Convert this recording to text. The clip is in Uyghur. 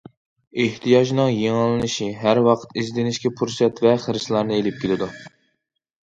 ئېھتىياجنىڭ يېڭىلىنىشى ھەر ۋاقىت ئىزدىنىشكە پۇرسەت ۋە خىرىسلارنى ئېلىپ كېلىدۇ.